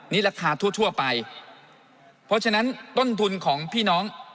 นี่ราคาทั่วไปเพราะฉะนั้นต้นทุนของพี่น้อง